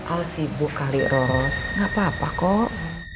al sibuk kali ros gak apa apa kok